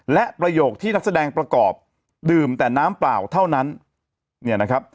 และประโยคที่นักแสดงประกอบดื่มแต่น้ำเปล่าเท่านั้นเนี่ยนะครับ